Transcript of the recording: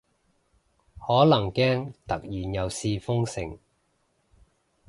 可能驚突然又試封城